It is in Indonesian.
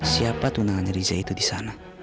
siapa tunangannya riza itu di sana